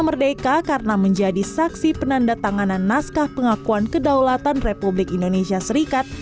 merdeka karena menjadi saksi penanda tanganan naskah pengakuan kedaulatan republik indonesia serikat